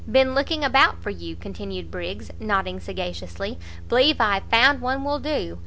"Been looking about for you!" continued Briggs, nodding sagaciously; "believe I've found one will do.